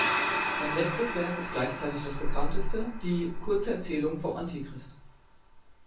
Sein letztes Werk ist gleichzeitig das bekannteste: Die "Kurze Erzählung vom Antichrist".